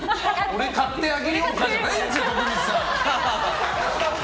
俺買ってあげようかじゃないんですよ、徳光さん。